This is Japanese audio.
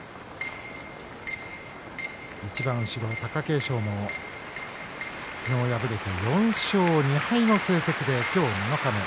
いちばん後ろ貴景勝にも昨日敗れて４勝２敗の成績で今日七日目。